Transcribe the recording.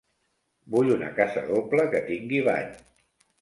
Vull una casa doble, que tingui bany.